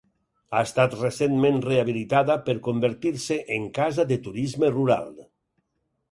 Ha estat recentment rehabilitada per convertir-se en casa de turisme rural.